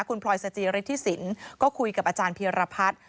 คุณพลอยสจิฤทธิสินก็คุยกับอาจารย์เพียรพัฒน์